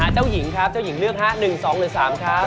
เจ้าหญิงครับเจ้าหญิงเลือกฮะ๑๒หรือ๓ครับ